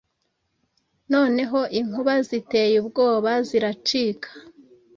Noneho inkuba ziteye ubwoba ziracika,